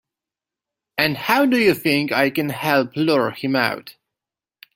And how do you think I can help lure him out?